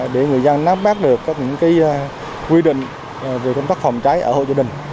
để người dân nắp bác được các quy định về công tác phòng cháy ở hộ gia đình